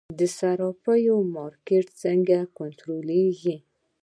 د صرافیو مارکیټ څنګه کنټرولیږي؟